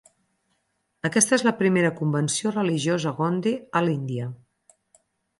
Aquesta és la primera convenció religiosa Gondi a l'Índia.